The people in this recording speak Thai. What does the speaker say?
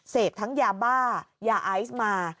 เสพทั้งหยังบ้าอย่าไอฮขวดมา